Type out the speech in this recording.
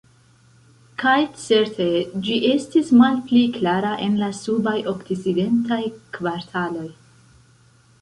Kaj certe ĝi estis malpli klara en la subaj okcidentaj kvartaloj.